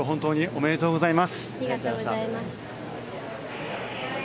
ありがとうございます。